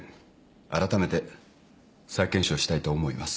あらためて再検証したいと思います。